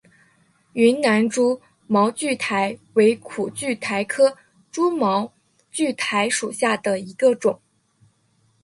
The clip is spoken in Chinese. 云南蛛毛苣苔为苦苣苔科蛛毛苣苔属下的一个种。